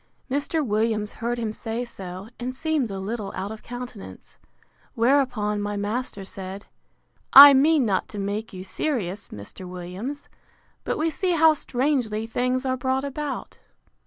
Mr. Williams heard him say so, and seemed a little out of countenance: Whereupon my master said, I mean not to make you serious, Mr. Williams; but we see how strangely things are brought about.